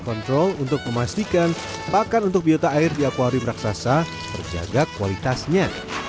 kontrol untuk memastikan bahkan untuk biota air di akuarium raksasa berjaga kualitasnya